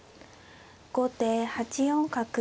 後手８四角。